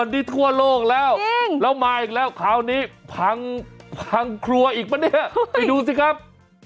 วันนี้ทั่วโลกแล้วแล้วมาอีกแล้วคราวนี้พังพังครัวอีกปะเนี่ยไปดูสิครับ